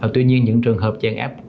tuy nhiên những trường hợp chèn ép